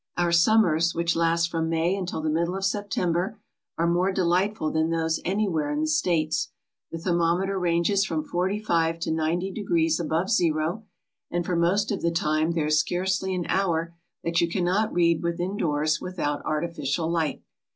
Our summers, which last from May until the middle of September, are more delightful than those any where in the States. The thermometer ranges from forty five to ninety degrees above zero, and for most of the time there is scarcely an hour that you cannot read within' doors without artificial light.